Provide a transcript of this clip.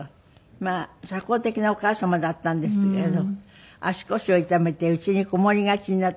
まあ社交的なお母様だったんですけれど足腰を痛めてうちにこもりがちになって。